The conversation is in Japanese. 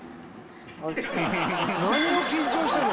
「何を緊張してるの？